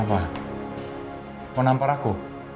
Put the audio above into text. mau nampar aku